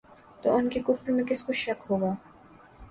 تو ان کے کفر میں کس کو شک ہوگا